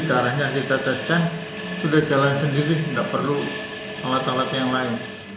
caranya kita teskan sudah jalan sendiri tidak perlu alat alat yang lain